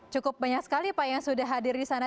cukup banyak sekali pak yang sudah hadir di sana